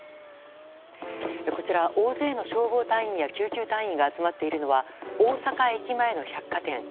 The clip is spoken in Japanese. こちら大勢の消防隊員や救急隊員が集まっているのは大阪駅前の百貨店。